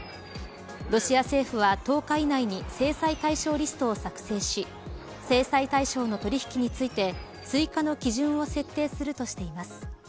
ロシア政府は１０日以内に制裁対象リストを作成し制裁対象の取引について追加の基準を設定するとしています。